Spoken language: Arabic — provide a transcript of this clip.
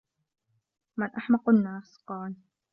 مَنْ أَحْمَقُ النَّاسِ ؟ قَالَ